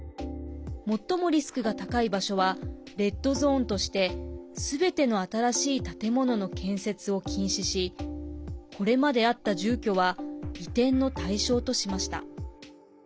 最もリスクが高い場所はレッドゾーンとしてすべての新しい建物の建設を禁止しこれまであった住居は移転の対象としました。